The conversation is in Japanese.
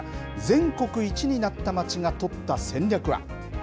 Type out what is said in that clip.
全国一になった街が取った戦略は。